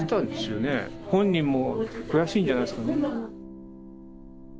本人も悔しいんじゃないですかね。